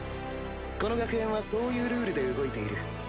この学園はそういうルールで動いている。